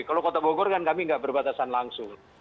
kalau kota bogor kan kami nggak berbatasan langsung